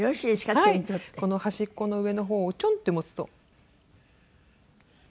この端っこの上の方をチョンって持つと。